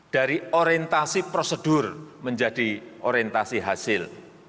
dari orientasi prosedur menjadi orientasi hasil